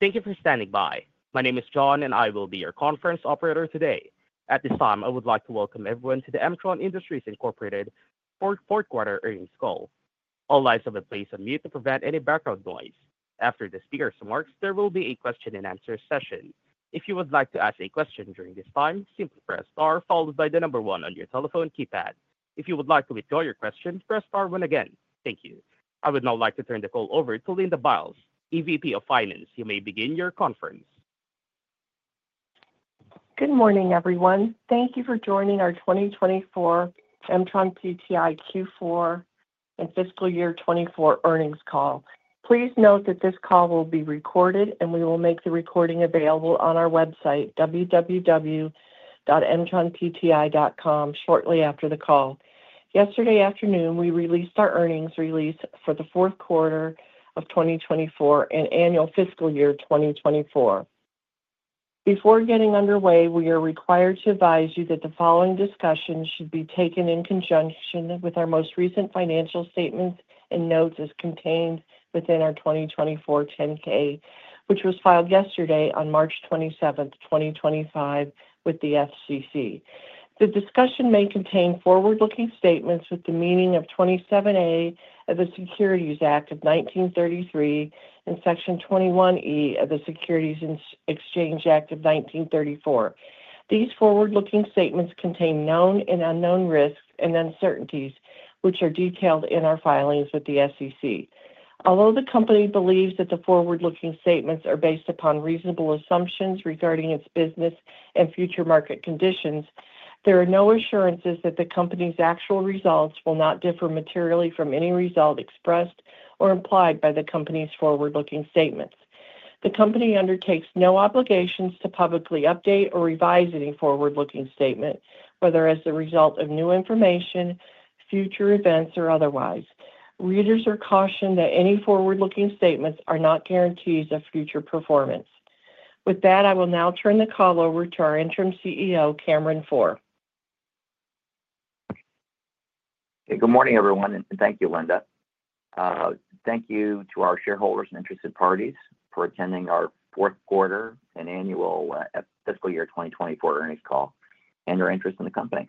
Thank you for standing by. My name is John, and I will be your conference operator today. At this time, I would like to welcome everyone to the M-tron Industries fourth quarter earnings call. All lines have been placed on mute to prevent any background noise. After this speaker's remarks, there will be a question-and-answer session. If you would like to ask a question during this time, simply press star followed by the number one on your telephone keypad. If you would like to withdraw your question, press star one again. Thank you. I would now like to turn the call over to Linda Biles, EVP of Finance. You may begin your conference. Good morning, everyone. Thank you for joining our 2024 MtronPTI Q4 and fiscal year 2024 earnings call. Please note that this call will be recorded, and we will make the recording available on our website, www.mtronpti.com, shortly after the call. Yesterday afternoon, we released our earnings release for the fourth quarter of 2024 and annual fiscal year 2024. Before getting underway, we are required to advise you that the following discussion should be taken in conjunction with our most recent financial statements and notes as contained within our 2024 10-K, which was filed yesterday on March 27, 2025, with the SEC. The discussion may contain forward-looking statements within the meaning of Section 27A of the Securities Act of 1933 and Section 21E of the Securities and Exchange Act of 1934. These forward-looking statements contain known and unknown risks and uncertainties, which are detailed in our filings with the SEC. Although the company believes that the forward-looking statements are based upon reasonable assumptions regarding its business and future market conditions, there are no assurances that the company's actual results will not differ materially from any result expressed or implied by the company's forward-looking statements. The company undertakes no obligations to publicly update or revise any forward-looking statement, whether as a result of new information, future events, or otherwise. Readers are cautioned that any forward-looking statements are not guarantees of future performance. With that, I will now turn the call over to our Interim CEO, Cameron Pforr. Good morning, everyone, and thank you, Linda. Thank you to our shareholders and interested parties for attending our fourth quarter and annual fiscal year 2024 earnings call and your interest in the company.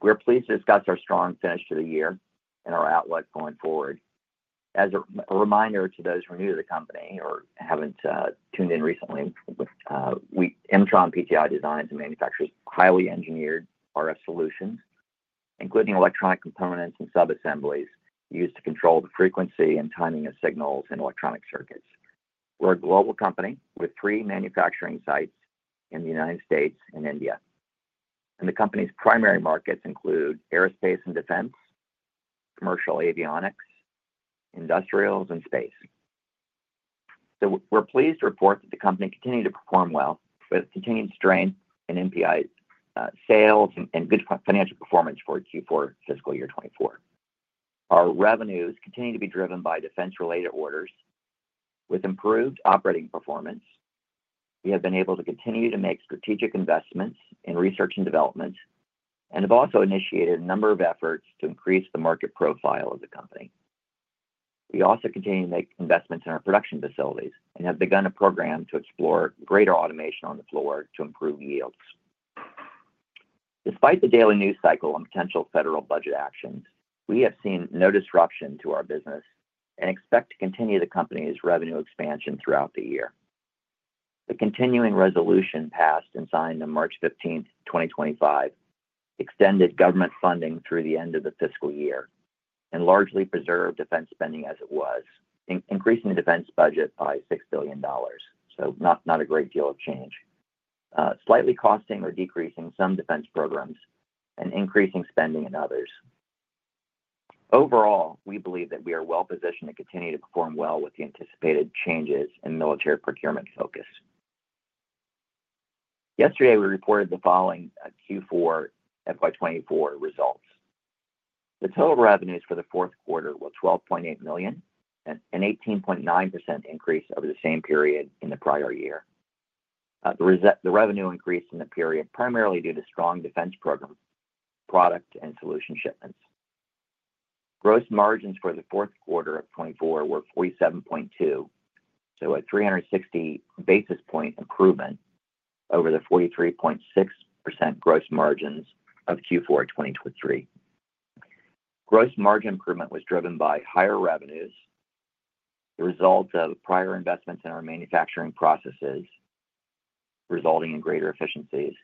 We're pleased to discuss our strong finish to the year and our outlook going forward. As a reminder to those who are new to the company or haven't tuned in recently, M-tron Industries designs and manufactures highly engineered RF solutions, including electronic components and subassemblies used to control the frequency and timing of signals in electronic circuits. We're a global company with three manufacturing sites in the United States and India. The company's primary markets include aerospace and defense, commercial avionics, industrials, and space. We're pleased to report that the company continued to perform well with continued strength in MPTI sales and good financial performance for Q4 fiscal year 2024. Our revenues continue to be driven by defense-related orders. With improved operating performance, we have been able to continue to make strategic investments in research and development and have also initiated a number of efforts to increase the market profile of the company. We also continue to make investments in our production facilities and have begun a program to explore greater automation on the floor to improve yields. Despite the daily news cycle and potential federal budget actions, we have seen no disruption to our business and expect to continue the company's revenue expansion throughout the year. The continuing resolution passed and signed on March 15, 2025, extended government funding through the end of the fiscal year and largely preserved defense spending as it was, increasing the defense budget by $6 billion. Not a great deal of change, slightly costing or decreasing some defense programs and increasing spending in others. Overall, we believe that we are well positioned to continue to perform well with the anticipated changes in military procurement focus. Yesterday, we reported the following Q4 FY2024 results. The total revenues for the fourth quarter were $12.8 million, an 18.9% increase over the same period in the prior year. The revenue increased in the period primarily due to strong defense program product and solution shipments. Gross margins for the fourth quarter of 2024 were 47.2%, a 360 basis point improvement over the 43.6% gross margins of Q4 2023. Gross margin improvement was driven by higher revenues, the result of prior investments in our manufacturing processes resulting in greater efficiencies,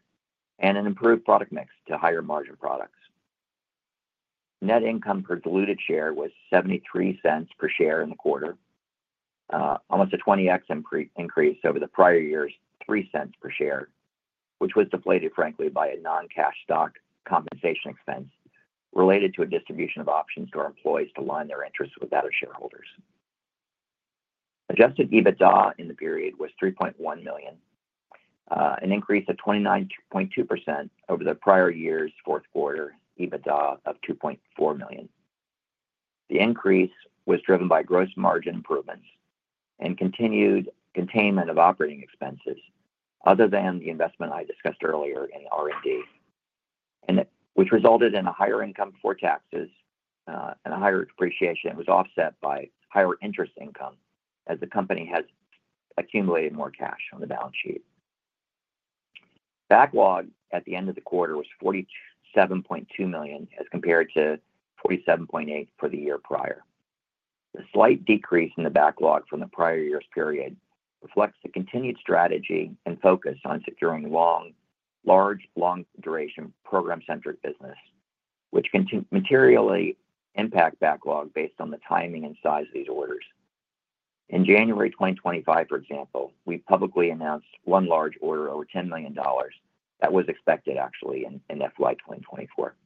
and an improved product mix to higher margin products. Net income per diluted share was $0.73 per share in the quarter, almost a 20X increase over the prior year's $0.03 per share, which was deflated, frankly, by a non-cash stock compensation expense related to a distribution of options to our employees to align their interests with that of shareholders. Adjusted EBITDA in the period was $3.1 million, an increase of 29.2% over the prior year's fourth quarter EBITDA of $2.4 million. The increase was driven by gross margin improvements and continued containment of operating expenses other than the investment I discussed earlier in R&D, which resulted in a higher income before taxes and a higher depreciation that was offset by higher interest income as the company has accumulated more cash on the balance sheet. Backlog at the end of the quarter was $47.2 million as compared to $47.8 million for the year prior. The slight decrease in the backlog from the prior year's period reflects the continued strategy and focus on securing large long-duration program-centric business, which materially impacts backlog based on the timing and size of these orders. In January 2025, for example, we publicly announced one large order over $10 million that was expected, actually, in fiscal year 2024.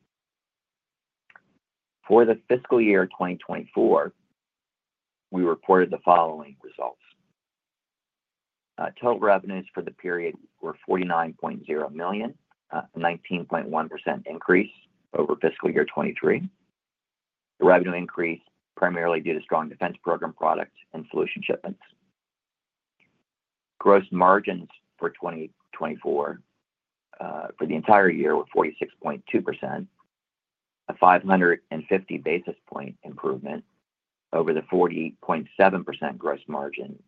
For the fiscal year 2024, we reported the following results. Total revenues for the period were $49.0 million, a 19.1% increase over fiscal year 2023. The revenue increased primarily due to strong defense program products and solution shipments. Gross margins for 2024 for the entire year were 46.2%, a 550 basis point improvement over the 40.7% gross margin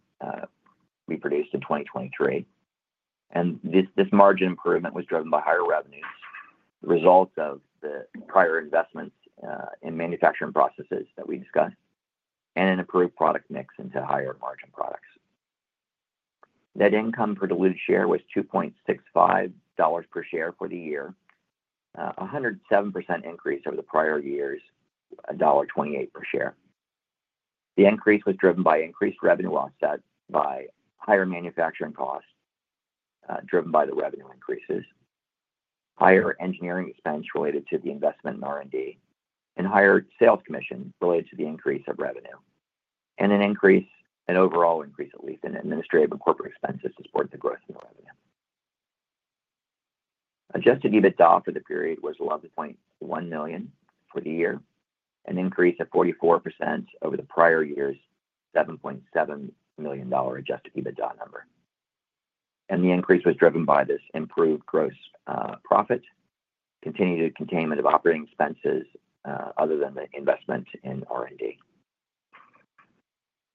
we produced in 2023. This margin improvement was driven by higher revenues, the result of the prior investments in manufacturing processes that we discussed, and an improved product mix into higher margin products. Net income per diluted share was $2.65 per share for the year, a 107% increase over the prior year's $1.28 per share. The increase was driven by increased revenue offset by higher manufacturing costs driven by the revenue increases, higher engineering expense related to the investment in R&D, and higher sales commission related to the increase of revenue, and an increase, an overall increase, at least, in administrative and corporate expenses to support the growth in the revenue. Adjusted EBITDA for the period was $11.1 million for the year, an increase of 44% over the prior year's $7.7 million adjusted EBITDA number. The increase was driven by this improved gross profit, continued containment of operating expenses other than the investment in R&D.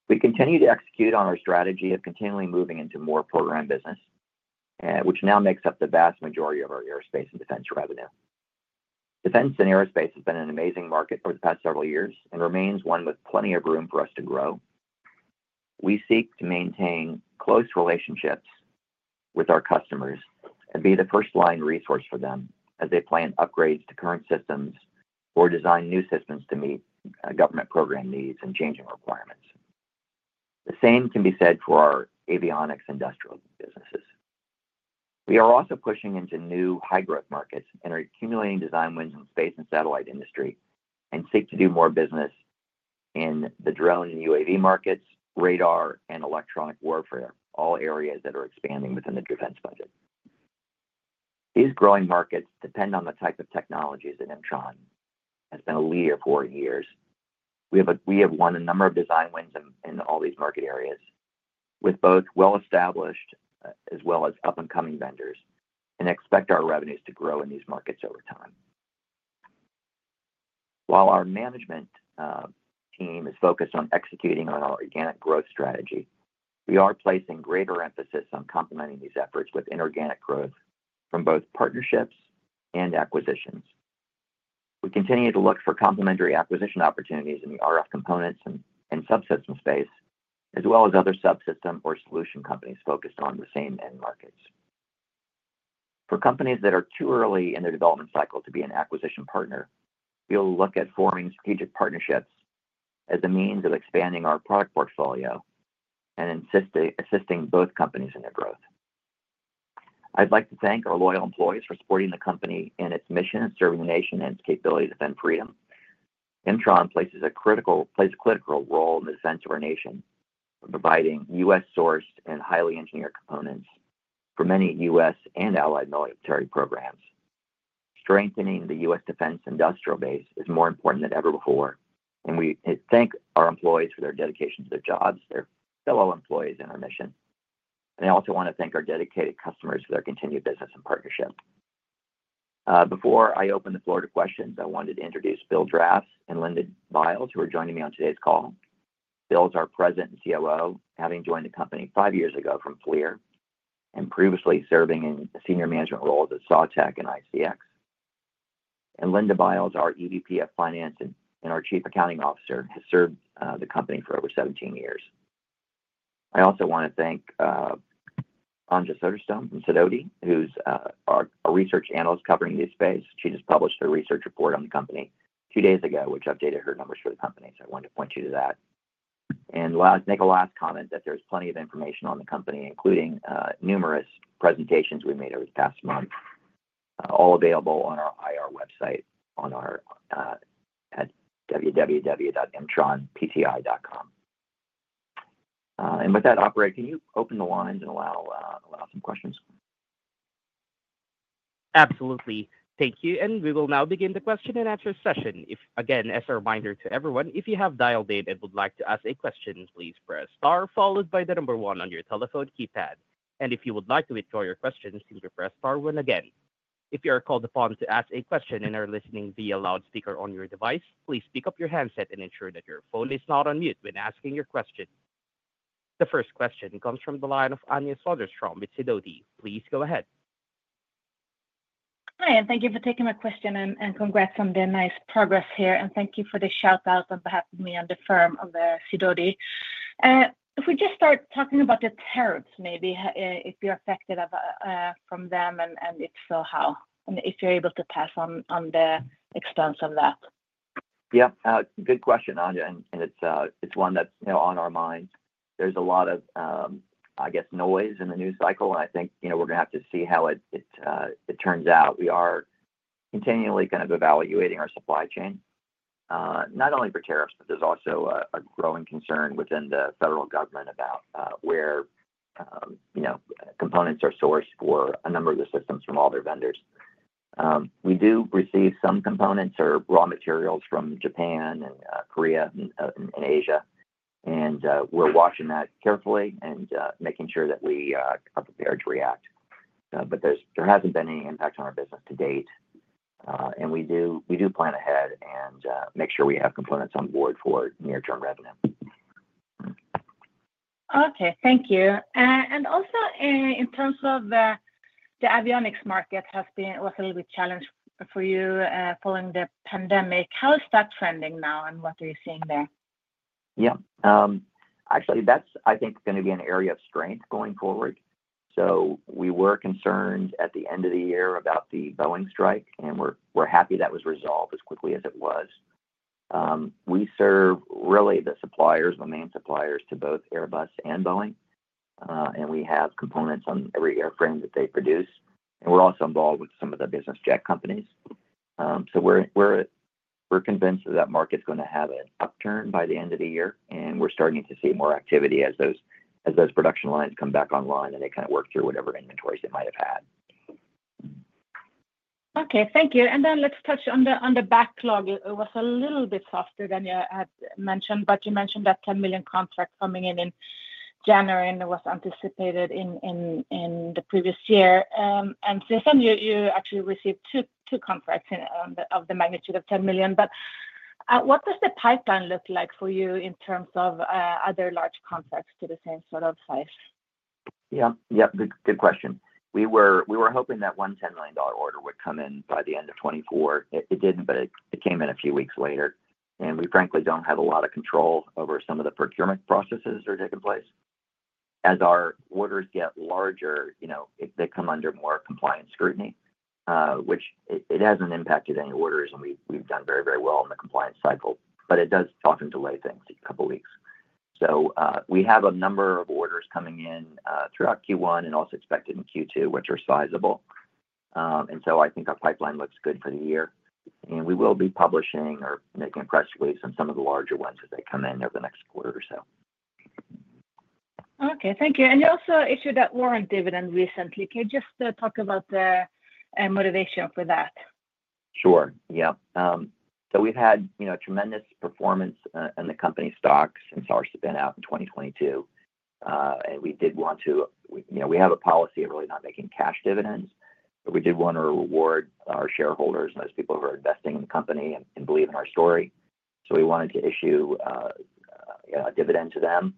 We continue to execute on our strategy of continually moving into more program business, which now makes up the vast majority of our aerospace and defense revenue. Defense and aerospace has been an amazing market over the past several years and remains one with plenty of room for us to grow. We seek to maintain close relationships with our customers and be the first-line resource for them as they plan upgrades to current systems or design new systems to meet government program needs and changing requirements. The same can be said for our avionics industrial businesses. We are also pushing into new high-growth markets and are accumulating design wins in space and satellite industry and seek to do more business in the drone and UAV markets, radar, and electronic warfare, all areas that are expanding within the defense budget. These growing markets depend on the type of technologies that M-tron has been a leader for in years. We have won a number of design wins in all these market areas with both well-established as well as up-and-coming vendors and expect our revenues to grow in these markets over time. While our management team is focused on executing on our organic growth strategy, we are placing greater emphasis on complementing these efforts with inorganic growth from both partnerships and acquisitions. We continue to look for complementary acquisition opportunities in the RF components and subsystem space, as well as other subsystem or solution companies focused on the same end markets. For companies that are too early in their development cycle to be an acquisition partner, we'll look at forming strategic partnerships as a means of expanding our product portfolio and assisting both companies in their growth. I'd like to thank our loyal employees for supporting the company in its mission of serving the nation and its capability to defend freedom. M-tron plays a critical role in the defense of our nation by providing U.S.-sourced and highly engineered components for many U.S. and allied military programs. Strengthening the U.S. defense industrial base is more important than ever before, and we thank our employees for their dedication to their jobs, their fellow employees, and our mission. I also want to thank our dedicated customers for their continued business and partnership. Before I open the floor to questions, I wanted to introduce Bill Drafts and Linda Biles, who are joining me on today's call. Bill's our present COO, having joined the company five years ago from FLIR and previously serving in a senior management role at Sawtek and ICx. Linda Biles, our EVP of Finance and our Chief Accounting Officer, has served the company for over 17 years. I also want to thank Anja Soderstrom from Sidoti, who's our research analyst covering this space. She just published a research report on the company two days ago, which updated her numbers for the company, so I wanted to point you to that. I want to make a last comment that there's plenty of information on the company, including numerous presentations we made over the past month, all available on our IR website at www.m-tronpti.com. With that, Operator, can you open the lines and allow some questions? Absolutely. Thank you. We will now begin the question and answer session. Again, as a reminder to everyone, if you have dialed in and would like to ask a question, please press star, followed by the number one on your telephone keypad. If you would like to withdraw your question, simply press star one again. If you are called upon to ask a question and are listening via loudspeaker on your device, please pick up your handset and ensure that your phone is not on mute when asking your question. The first question comes from the line of Anja Soderstrom with Sidoti & Co. Please go ahead. Hi, and thank you for taking my question and congrats on the nice progress here. Thank you for the shout-out on behalf of me and the firm of Sidoti. If we just start talking about the tariffs, maybe, if you're affected from them and if so, how, and if you're able to pass on the expense of that. Yep. Good question, Anja, and it's one that's on our minds. There's a lot of, I guess, noise in the news cycle, and I think we're going to have to see how it turns out. We are continually kind of evaluating our supply chain, not only for tariffs, but there's also a growing concern within the federal government about where components are sourced for a number of the systems from all their vendors. We do receive some components or raw materials from Japan and Korea and Asia, and we're watching that carefully and making sure that we are prepared to react. There hasn't been any impact on our business to date, and we do plan ahead and make sure we have components on board for near-term revenue. Okay. Thank you. Also, in terms of the avionics market, it was a little bit challenged for you following the pandemic. How is that trending now, and what are you seeing there? Actually, that's, I think, going to be an area of strength going forward. We were concerned at the end of the year about the Boeing strike, and we're happy that was resolved as quickly as it was. We serve really the suppliers, the main suppliers to both Airbus and Boeing, and we have components on every airframe that they produce. We're also involved with some of the business jet companies. We're convinced that that market's going to have an upturn by the end of the year, and we're starting to see more activity as those production lines come back online and they kind of work through whatever inventories they might have had. Okay. Thank you. Let's touch on the backlog. It was a little bit softer than you had mentioned, but you mentioned that $10 million contract coming in in January, and it was anticipated in the previous year. Since then, you actually received two contracts of the magnitude of $10 million. What does the pipeline look like for you in terms of other large contracts to the same sort of size? Yep. Yep. Good question. We were hoping that one $10 million order would come in by the end of 2024. It did not, but it came in a few weeks later. We, frankly, do not have a lot of control over some of the procurement processes that are taking place. As our orders get larger, they come under more compliance scrutiny, which has not impacted any orders, and we have done very, very well in the compliance cycle, but it does often delay things a couple of weeks. We have a number of orders coming in throughout Q1 and also expected in Q2, which are sizable. I think our pipeline looks good for the year. We will be publishing or making press releases on some of the larger ones as they come in over the next quarter or so. Okay. Thank you. You also issued that warrant dividend recently. Can you just talk about the motivation for that? Sure. Yep. We have had tremendous performance in the company stocks since our spin-out in 2022. We have a policy of really not making cash dividends, but we did want to reward our shareholders and those people who are investing in the company and believe in our story. We wanted to issue a dividend to them.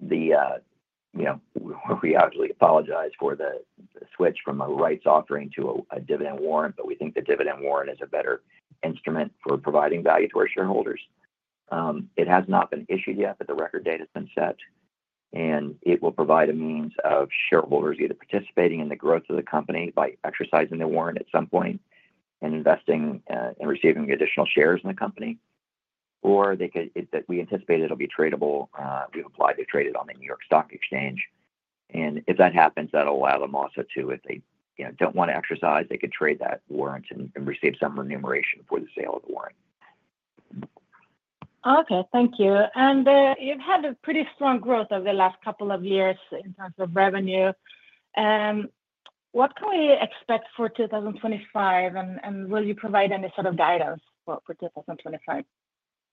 We obviously apologize for the switch from a rights offering to a dividend warrant, but we think the dividend warrant is a better instrument for providing value to our shareholders. It has not been issued yet, but the record date has been set. It will provide a means of shareholders either participating in the growth of the company by exercising the warrant at some point and investing and receiving additional shares in the company, or we anticipate it will be tradable. We've applied to trade it on the New York Stock Exchange. If that happens, that'll allow them also to, if they don't want to exercise, they can trade that warrant and receive some remuneration for the sale of the warrant. Okay. Thank you. You've had a pretty strong growth over the last couple of years in terms of revenue. What can we expect for 2025, and will you provide any sort of guidance for 2025?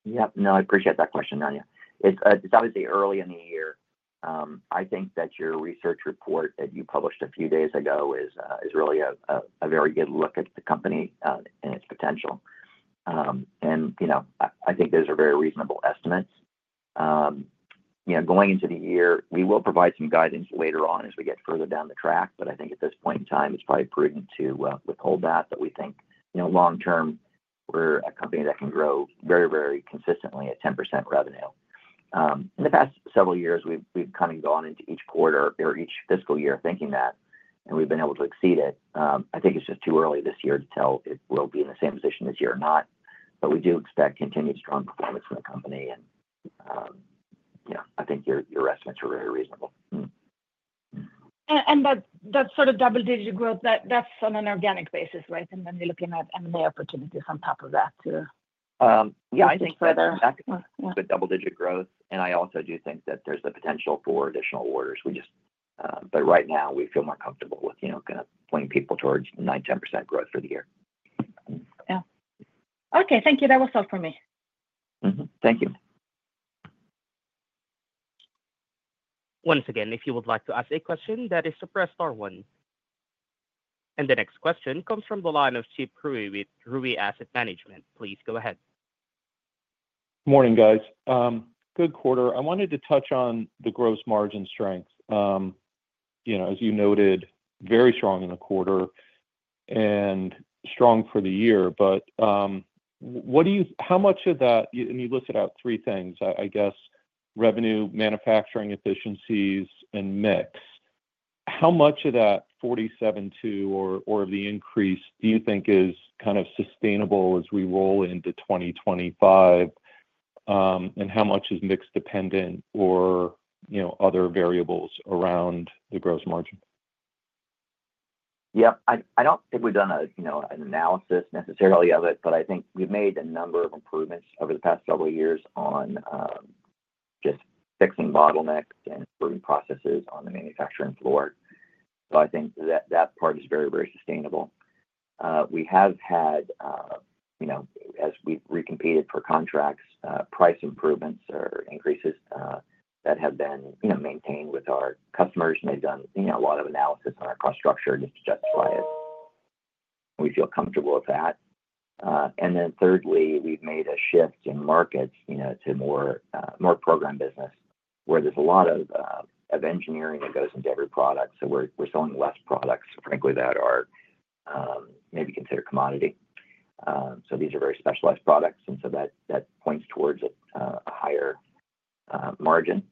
Yep. No, I appreciate that question, Anja. It's obviously early in the year. I think that your research report that you published a few days ago is really a very good look at the company and its potential. I think those are very reasonable estimates. Going into the year, we will provide some guidance later on as we get further down the track. I think at this point in time, it's probably prudent to withhold that. We think long-term, we're a company that can grow very, very consistently at 10% revenue. In the past several years, we've kind of gone into each quarter or each fiscal year thinking that, and we've been able to exceed it. I think it's just too early this year to tell if we'll be in the same position this year or not. We do expect continued strong performance in the company. Yeah, I think your estimates are very reasonable. That sort of double-digit growth, that's on an organic basis, right? And then you're looking at M&A opportunities on top of that too. Yeah. I think so. That's a double-digit growth. I also do think that there's the potential for additional orders. Right now, we feel more comfortable with kind of pulling people towards 9%-10% growth for the year. Yeah. Okay. Thank you. That was all for me. Thank you. Once again, if you would like to ask a question, that is to press star one. The next question comes from the line of Chip Rewey with Rewey Asset Management. Please go ahead. Morning, guys. Good quarter. I wanted to touch on the gross margin strength. As you noted, very strong in the quarter and strong for the year. How much of that—and you listed out three things, I guess: revenue, manufacturing efficiencies, and mix—how much of that 47.2 or of the increase do you think is kind of sustainable as we roll into 2025? How much is mix-dependent or other variables around the gross margin? Yep. I don't think we've done an analysis necessarily of it, but I think we've made a number of improvements over the past several years on just fixing bottlenecks and improving processes on the manufacturing floor. I think that part is very, very sustainable. We have had, as we've recompeted for contracts, price improvements or increases that have been maintained with our customers, and they've done a lot of analysis on our cost structure just to justify it. We feel comfortable with that. Thirdly, we've made a shift in markets to more program business, where there's a lot of engineering that goes into every product. We're selling less products, frankly, that are maybe considered commodity. These are very specialized products, and that points towards a higher margin.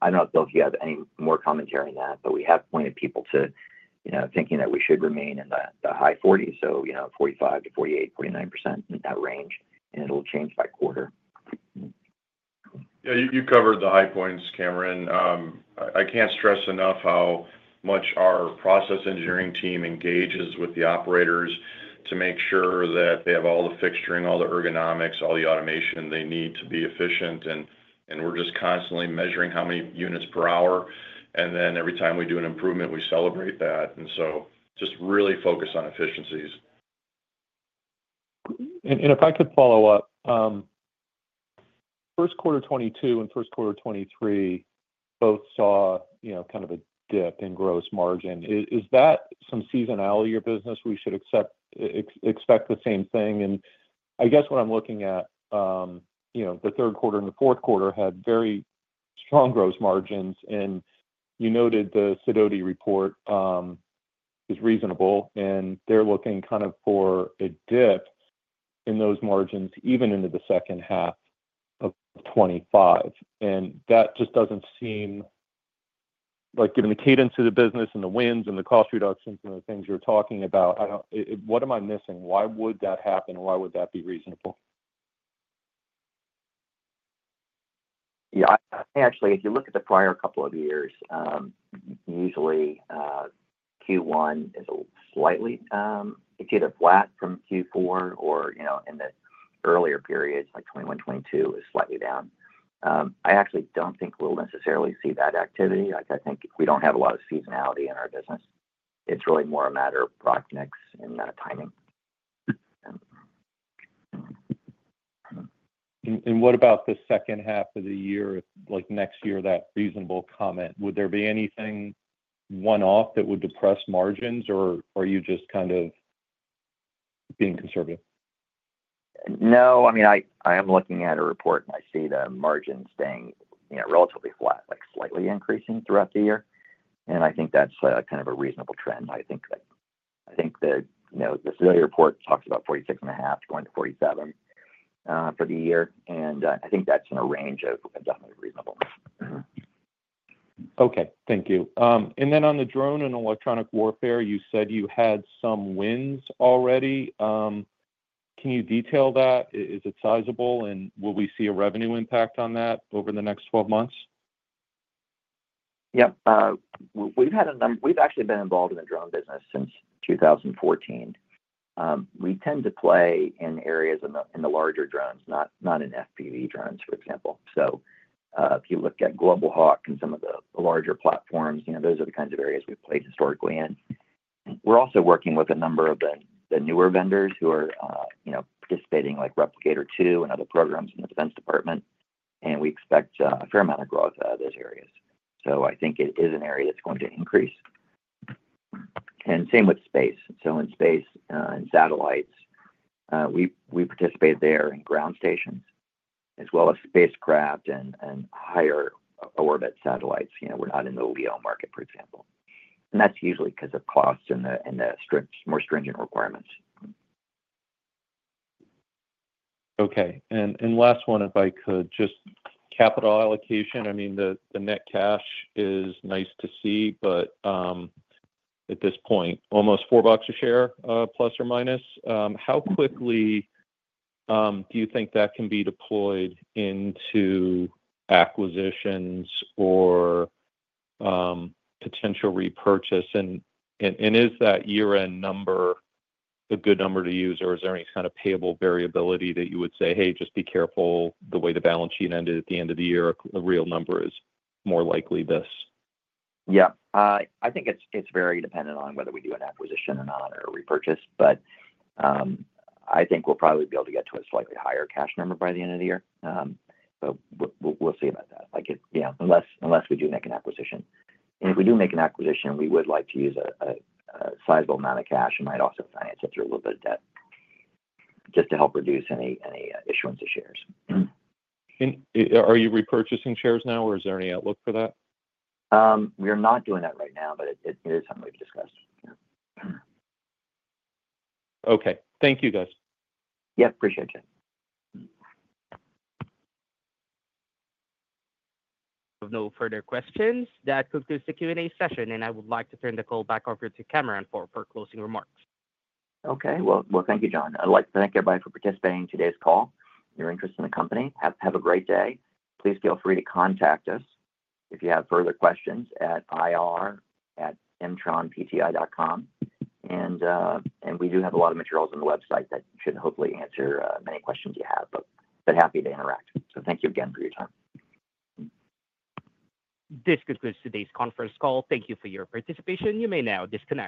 I don't know, Bill, if you have any more commentary on that, but we have pointed people to thinking that we should remain in the high 40s, so 45%-48%, 49% in that range, and it'll change by quarter. Yeah. You covered the high points, Cameron. I can't stress enough how much our process engineering team engages with the operators to make sure that they have all the fixturing, all the ergonomics, all the automation they need to be efficient. We're just constantly measuring how many units per hour. Every time we do an improvement, we celebrate that. Just really focus on efficiencies. If I could follow up, first quarter 2022 and first quarter 2023 both saw kind of a dip in gross margin. Is that some seasonality of your business? We should expect the same thing. I guess what I'm looking at, the third quarter and the fourth quarter had very strong gross margins. You noted the Sidoti report is reasonable, and they're looking kind of for a dip in those margins even into the second half of 2025. That just doesn't seem like, given the cadence of the business and the wins and the cost reductions and the things you're talking about, what am I missing? Why would that happen? Why would that be reasonable? Yeah. Actually, if you look at the prior couple of years, usually Q1 is slightly—it's either flat from Q4 or in the earlier periods, like 2021, 2022, is slightly down. I actually don't think we'll necessarily see that activity. I think we don't have a lot of seasonality in our business. It's really more a matter of product mix and timing. What about the second half of the year? Next year, that reasonable comment, would there be anything one-off that would depress margins, or are you just kind of being conservative? No. I mean, I am looking at a report, and I see the margins staying relatively flat, slightly increasing throughout the year. I think that's kind of a reasonable trend. I think that the Sidoti report talks about 46.5% going to 47% for the year. I think that's in a range of definitely reasonable. Okay. Thank you. On the drone and electronic warfare, you said you had some wins already. Can you detail that? Is it sizable, and will we see a revenue impact on that over the next 12 months? Yep. We've had a number—we've actually been involved in the drone business since 2014. We tend to play in areas in the larger drones, not in FPV drones, for example. If you look at Global Hawk and some of the larger platforms, those are the kinds of areas we've played historically in. We're also working with a number of the newer vendors who are participating, like Replicator 2 and other programs in the Defense Department. We expect a fair amount of growth out of those areas. I think it is an area that's going to increase. Same with space. In space and satellites, we participate there in ground stations as well as spacecraft and higher orbit satellites. We're not in the LEO market, for example. That's usually because of costs and the more stringent requirements. Okay. Last one, if I could, just capital allocation. I mean, the net cash is nice to see, but at this point, almost $4 a share, plus or minus. How quickly do you think that can be deployed into acquisitions or potential repurchase? Is that year-end number a good number to use, or is there any kind of payable variability that you would say, "Hey, just be careful the way the balance sheet ended at the end of the year, a real number is more likely this"? Yep. I think it's very dependent on whether we do an acquisition or not or a repurchase. I think we'll probably be able to get to a slightly higher cash number by the end of the year. We'll see about that, unless we do make an acquisition. If we do make an acquisition, we would like to use a sizable amount of cash and might also finance it through a little bit of debt just to help reduce any issuance of shares. Are you repurchasing shares now, or is there any outlook for that? We are not doing that right now, but it is something we've discussed. Okay. Thank you, guys. Yep. Appreciate you. If no further questions, that concludes the Q&A session, and I would like to turn the call back over to Cameron for closing remarks. Thank you, John. I'd like to thank everybody for participating in today's call, your interest in the company. Have a great day. Please feel free to contact us if you have further questions at ir@mtronpti.com. We do have a lot of materials on the website that should hopefully answer many questions you have, but happy to interact. Thank you again for your time. This concludes today's conference call. Thank you for your participation. You may now disconnect.